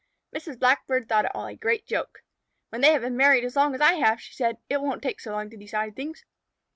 Mrs. Blackbird thought it all a great joke. "When they have been married as long as I have," she said, "it wont take so long to decide things."